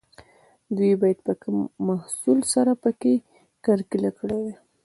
دوی باید په کم محصول سره پکې کرکیله کړې وای.